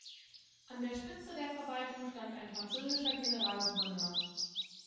An der Spitze der Verwaltung stand ein französischer Generalgouverneur.